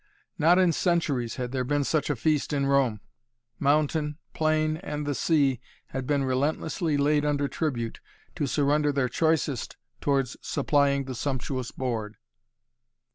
Not in centuries had there been such a feast in Rome. Mountain, plain and the sea had been relentlessly laid under tribute, to surrender their choicest towards supplying the sumptuous board.